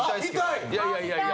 いやいやいやいや。